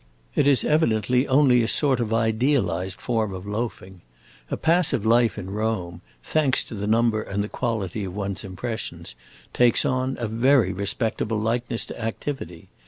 It is evidently only a sort of idealized form of loafing: a passive life in Rome, thanks to the number and the quality of one's impressions, takes on a very respectable likeness to activity.